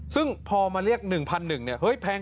ซึ่งพอมาเรียก๑๑๐๐เนี่ย